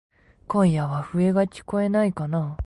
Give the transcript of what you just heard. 今夜は笛がきこえないかなぁ。